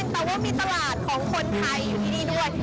แต่ว่ามีตลาดของคนไทยอยู่ที่นี่ด้วย